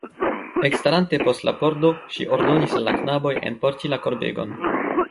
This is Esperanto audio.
Ekstarante post la pordo ŝi ordonis al la knaboj enporti la korbegon.